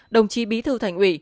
đồng chí bí thư thành ủy